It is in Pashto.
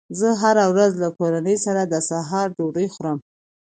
زه هره ورځ له کورنۍ سره د سهار ډوډۍ خورم